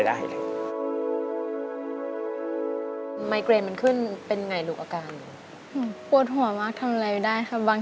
เดือนนึงพูดแบบโหนโหนเลยกี่ครั้ง